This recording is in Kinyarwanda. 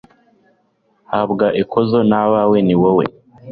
habwa ikuzo n'abawe, ni wowe